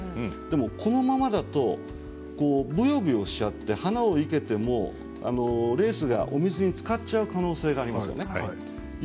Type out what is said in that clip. このままだとぶよぶよしちゃって花を生けてもレースがお水につかっちゃう可能性があるんですね。